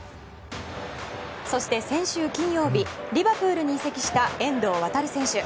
そして先週金曜日、リバプールに移籍した遠藤航選手。